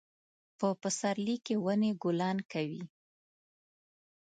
په پسرلي کې ونې ګلان کوي